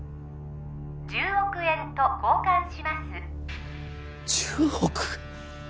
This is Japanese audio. １０億円と交換します１０億？